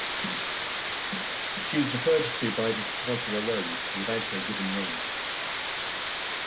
She was referred to by this title alone, without her given name.